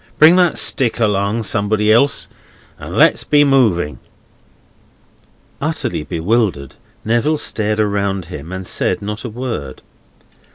Bring that stick along, somebody else, and let's be moving!" Utterly bewildered, Neville stared around him and said not a word.